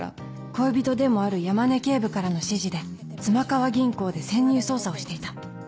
恋人でもある山根警部からの指示で妻川銀行で潜入捜査をしていた